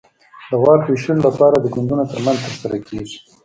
د واک وېشلو لپاره د ګوندونو ترمنځ ترسره کېږي.